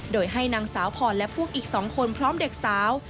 โดยให้นางสาวพรและพวกอีก๒คนพร้อมเด็กสาว